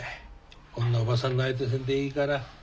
こんなおばさんの相手せんでいいから。